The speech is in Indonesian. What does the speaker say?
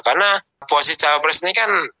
karena posisi jawa presiden ini kan